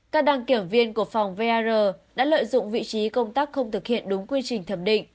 các đăng kiểm viên của phòng vr đã lợi dụng vị trí công tác không thực hiện đúng quy trình thẩm định